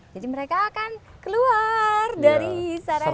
jadi mereka akan keluar dari sarang sarang ini